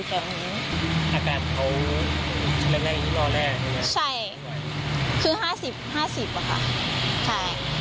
ใช่คือ๕๐อ่ะคะ